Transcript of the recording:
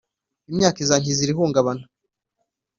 Imyaka izankiza iri hungabana